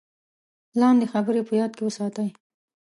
لاندې خبرې په یاد کې وساتئ: